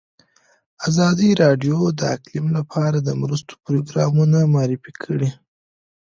ازادي راډیو د اقلیم لپاره د مرستو پروګرامونه معرفي کړي.